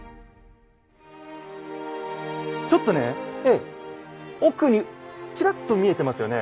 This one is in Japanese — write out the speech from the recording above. ちょっとね奥にちらっと見えてますよね。